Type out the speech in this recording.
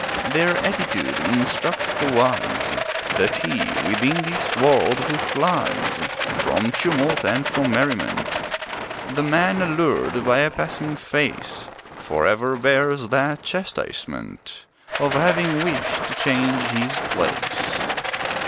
Their attitude, instructs the wise, That he within this world who flies From tumult and from merriment; The man allured by a passing face, For ever bears the chastisement Of having wished to change his place.